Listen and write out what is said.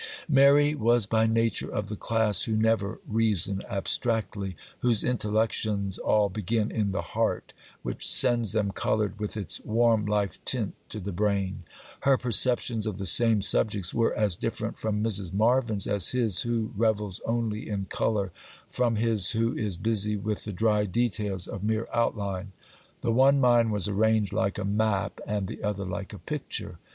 Mary was by nature of the class who never reason abstractly, whose intellections all begin in the heart, which sends them coloured with its warm life tint to the brain. Her perceptions of the same subjects were as different from Mrs. Marvyn's as his who revels only in colour from his who is busy with the dry details of mere outline. The one mind was arranged like a map, and the other like a picture.